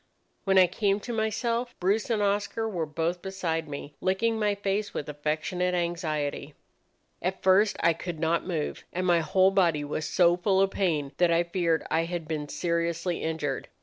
"When I came to myself, Bruce and Oscar were both beside me, licking my face with affectionate anxiety. At first I could not move, and my whole body was so full of pain that I feared I had been seriously injured.